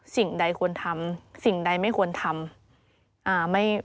สิ่งใดควรทำสิ่งใดไม่ควรทำ